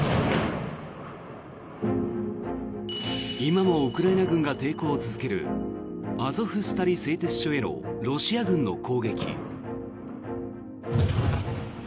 今もウクライナ軍が抵抗を続けるアゾフスタリ製鉄所へのロシア軍の攻撃。